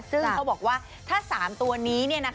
ซึ่งเขาบอกว่าถ้า๓ตัวนี้